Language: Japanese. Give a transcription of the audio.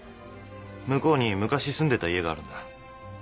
向こうに昔住んでた家があるんだ。